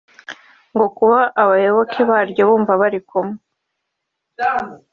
ngo kuba abayoboke baryo bumva bari kumwe